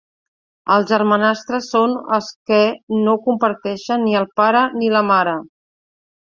Els germanastres són els que no comparteixen ni el pare ni la mare.